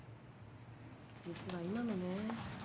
実は今もね。